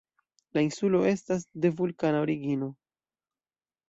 La insulo estas de vulkana origino.